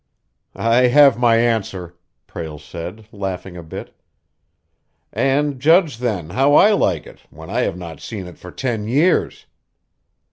"I have my answer," Prale said, laughing a bit. "And judge, then, how I like it when I have not seen it for ten years."